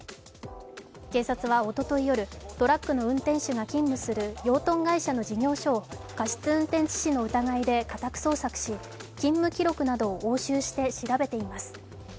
警察はおととい夜、トラックの運転手が勤務する養豚会社の事業所を過失運転致死傷の疑いで家宅捜索し、勤務記録などを押収して調べています。